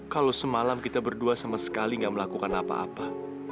kalau semalam kita berdua sama sekali tidak melakukan apa apa